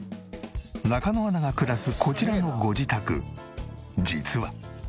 中野アナが暮らすこちらのご自宅実は。